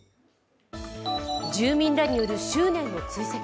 住民らによる執念の追跡。